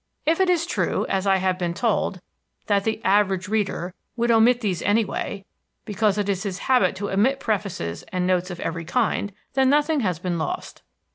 If it is true, as I have been told, that the "average reader" would omit these anyway, because it is his habit to omit prefaces and notes of every kind, then nothing has been lost.